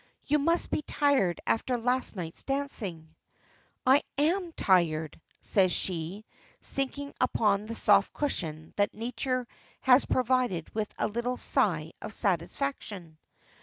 "You must be tired after last night's dancing." "I am tired," says she, sinking upon the soft cushion that Nature has provided with a little sigh of satisfaction.